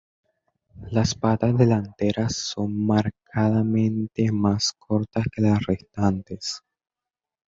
Las patas delanteras son marcadamente más cortas que las restantes.